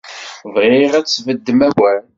Bɣiɣ ad tesbeddem awal.